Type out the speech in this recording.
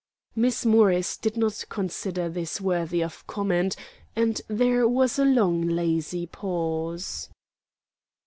Miss Morris did not consider this worthy of comment, and there was a long lazy pause.